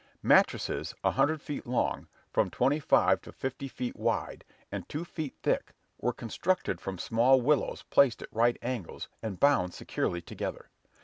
Mattresses, a hundred feet long, from twenty five to fifty feet wide, and two feet thick, were constructed from small willows placed at right angles, and bound securely together.